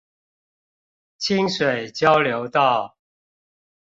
清水交流道